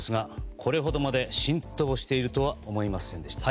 これほどまでに浸透しているとは思いませんでした。